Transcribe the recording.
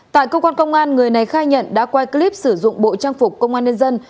tại cơ quan công an người này khai nhận đã quay clip sử dụng bộ trang phục công an nhân dân